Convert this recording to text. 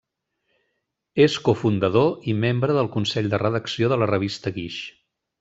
És cofundador i membre del consell de redacció de la revista Guix.